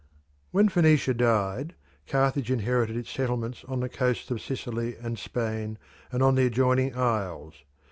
When Phoenicia died, Carthage inherited its settlements on the coasts of Sicily and Spain and on the adjoining isles.